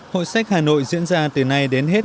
hội sách hà nội diễn ra từ nay đến hết